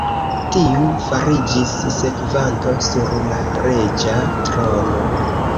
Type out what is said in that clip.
Tiu fariĝis sekvanto sur la reĝa trono.